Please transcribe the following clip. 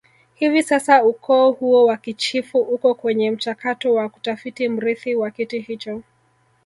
Hivi sasa ukoo huo wakichifu uko kwenye mchakato wa kutafiti mrithi wa kiti hicho